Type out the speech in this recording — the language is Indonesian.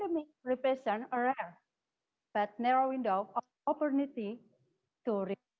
ya jika kita pergi ke slide berikutnya